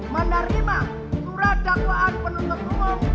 menerima surat dakwaan penuntut umum